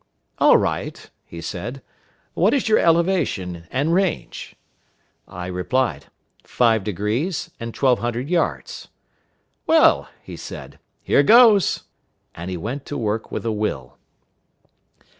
"All right," he said. "What is your elevation, and range?" I replied, "Five degrees, and twelve hundred yards." "Well," he said, "here goes!" And he went to work with a will.